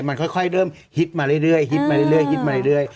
มันค่อยเริ่มรายการมาเรื่อย